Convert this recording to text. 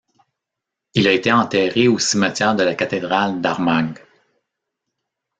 Il a été enterré au cimetière de la cathédrale d'Armagh.